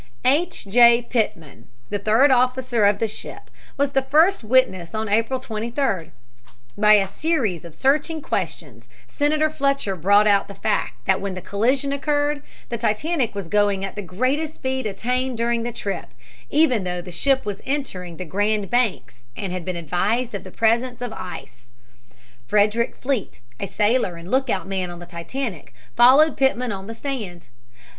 H. J. Pitman, the third officer of the ship, was the first witness on April 23d. By a series of searching questions Senator Fletcher brought out the fact that when the collision occurred the Titanic was going at the greatest speed attained during the trip, even though the ship was entering the Grand Banks and had been advised of the presence of ice. Frederick Fleet, a sailor and lookout man on the Titanic, followed Pitman on the stand.